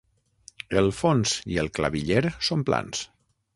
El fons i el claviller són plans.